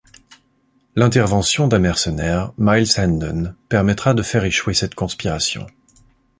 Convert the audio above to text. L'intervention d'un mercenaire, Miles Hendon, permettra de faire échouer cette conspiration.